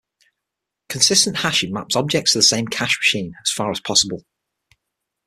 Consistent hashing maps objects to the same cache machine, as far as possible.